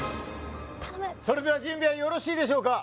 それでは準備はよろしいでしょうか？